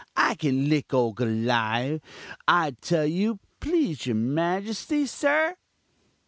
I kin lick ole Goliawh, I tell you, please your majuste, sir.'